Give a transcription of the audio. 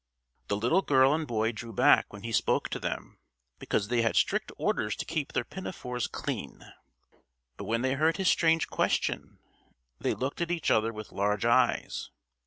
The little girl and boy drew back when he spoke to them, because they had strict orders to keep their pinafores clean. But when they heard his strange question, they looked at each other with large eyes.